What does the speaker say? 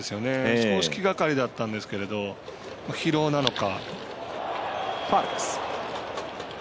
少し気がかりだったんですけど疲労なのか。